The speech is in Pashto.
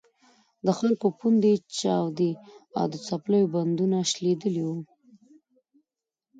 د خلکو پوندې چاودې او د څپلیو بندونه شلېدلي وو.